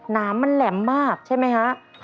น้ำมันแหลมมากใช่ไหมฮะ